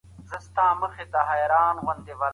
افراط او تفریت ټولني ته زیان رسوي.